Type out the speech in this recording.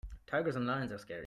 Tigers and lions are scary.